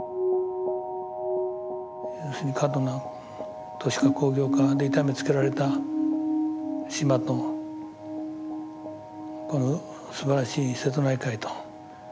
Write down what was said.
要するに過度な都市化工業化で痛めつけられた島とこのすばらしい瀬戸内海と。